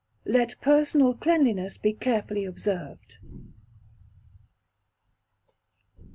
Let Personal Cleanliness be carefully observed.